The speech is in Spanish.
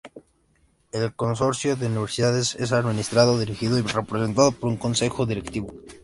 El Consorcio de Universidades es administrado, dirigido y representado por su Consejo Directivo.